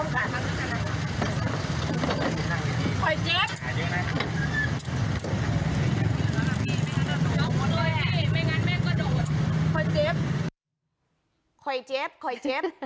เจ็บคอยเจ็บ